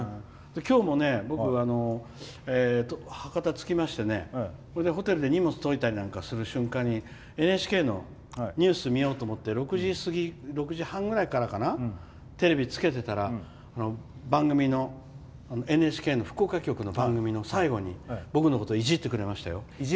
きょうもね、僕博多つきましてねそれでホテルで荷物解いたりする瞬間なんかにＮＨＫのニュース見ようと思って６時半ぐらいかなテレビつけてたらＮＨＫの福岡局の番組の最後に僕のこといじってくれましたよ。